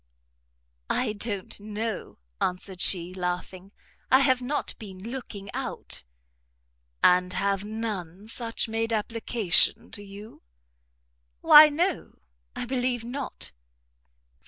"I don't know," answered she, laughing, "I have not been looking out." "And have none such made application to you?" "Why no, I believe not."